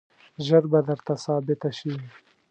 ژر به درته ثابته شي.